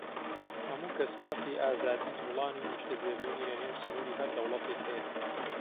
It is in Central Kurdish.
هەموو کەس مافی ئازادیی جووڵان و نیشتەجێبوونی لەنێو سنووری هەر دەوڵەتێک هەیە.